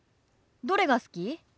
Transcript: どれが好き？